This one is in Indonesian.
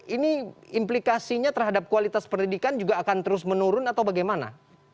ini implikasinya terhadap kualitas pendidikan juga akan terus menurun atau bagaimana